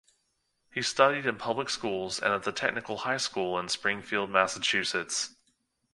He studied in public schools and at the Technical High School in Springfield, Massachusetts.